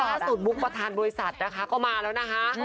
มุกประธานบริษัทนะคะก็มาแล้วนะคะ